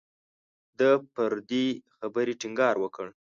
ده پر دې خبرې ټینګار وکړ.